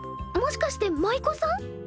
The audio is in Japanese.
もしかして舞妓さん？